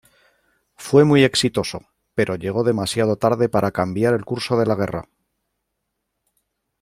Fue muy exitoso, pero llegó demasiado tarde para cambiar el curso de la guerra.